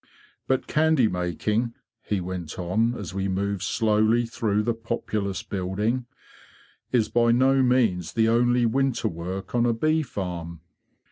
"But candy making,'' he went on, as we moved slowly through the populous building, '' is by no means the only winter work on a bee farm.